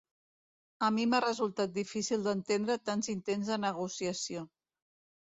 A mi m’ha resultat difícil d’entendre tants intents de negociació.